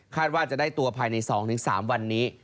ว่าจะได้ตัวภายใน๒๓วันนี้